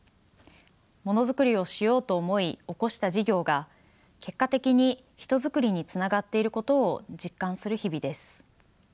ものづくりをしようと思い興した事業が結果的に人づくりにつながっていることを実感する日々です。